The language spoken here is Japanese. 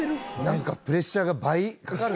なんかプレッシャーが倍かかるね。